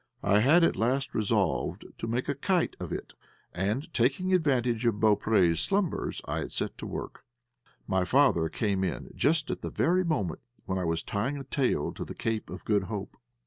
I had at last resolved to make a kite of it, and, taking advantage of Beaupré's slumbers, I had set to work. My father came in just at the very moment when I was tying a tail to the Cape of Good Hope.